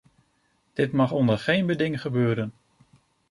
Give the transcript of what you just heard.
Dit mag onder geen beding gebeuren.